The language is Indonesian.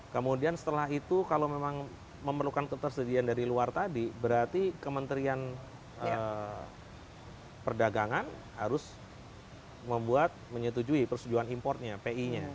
kemudian setelah itu kalau memang memerlukan ketersediaan dari luar tadi berarti kementerian perdagangan harus membuat menyetujui persetujuan importnya pi nya